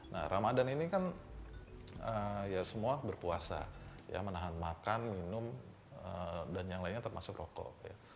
nah ramadan ini kan ya semua berpuasa ya menahan makan minum dan yang lainnya termasuk rokok